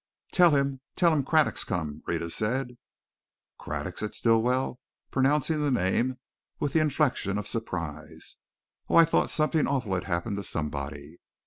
"Tell him tell him Craddock's come!" Rhetta said. "Craddock?" said Stilwell, pronouncing the name with inflection of surprise. "Oh, I thought something awful had happened to somebody."